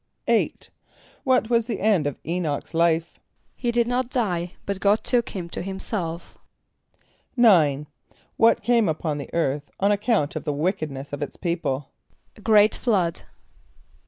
= =8.= What was the end of [=E]´n[)o]ch's life? =He did not die, but God took him to himself.= =9.= What came upon the earth on account of the wickedness of its people? =A great flood.